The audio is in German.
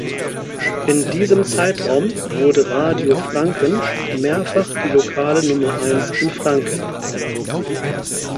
In diesem Zeitraum wurde Radio Franken mehrfach die lokale Nummer Eins in Franken.